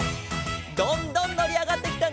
どんどんのりあがってきたね！